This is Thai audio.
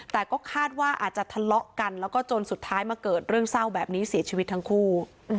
แต่ก็คาดว่าอาจจะทะเลาะกันแล้วก็จนสุดท้ายมาเกิดเรื่องเศร้าแบบนี้เสียชีวิตทั้งคู่